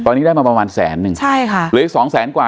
ตอนนี้ได้มาประมาณแสนหนึ่งใช่ค่ะเหลืออีกสองแสนกว่า